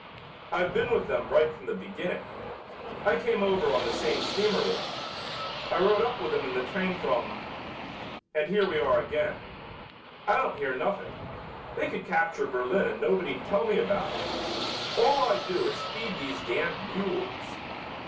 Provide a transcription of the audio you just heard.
"I've been with them right from the beginning. I came over on the same steamer with 'em. I rode up with 'em in the train from and here we are again. I don't hear nothing. They could capture Berlin and nobody'd tell me about it. All I do is feed these damned mules.